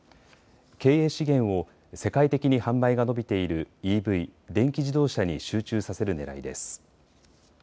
経営資源を世界的に販売が伸びているＥＶ・電気自動車に集中させるねらいです。